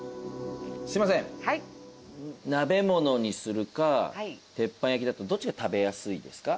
すいません鍋物にするか鉄板焼きだとどっちが食べやすいですか？